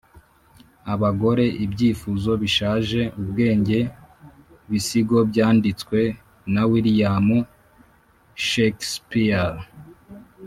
abagore 'ibyifuzo bishaje ubwenge.'bisigo byanditswe na william shakespeare